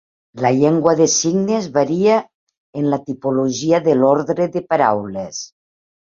La llengua de signes varia en la tipologia de l'ordre de paraules.